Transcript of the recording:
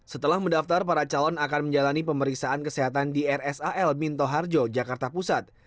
setelah mendaftar para calon akan menjalani pemeriksaan kesehatan di rsal minto harjo jakarta pusat